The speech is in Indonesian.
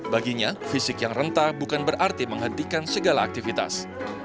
baginya fisik yang rentah bukan berarti menghentikan segala aktivitas